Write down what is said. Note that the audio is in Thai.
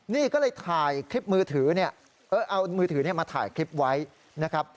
นี่ก็เลยถ่ายคลิปมือถือเนี่ยเอามือถือมาถ่ายคลิปไว้นะครับ